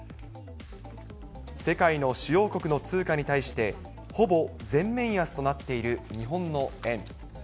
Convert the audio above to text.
世界の主要国の通貨に対して、ほぼ全面安となっている日本の円。